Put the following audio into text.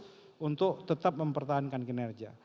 untuk tetap mempertahankan kinerja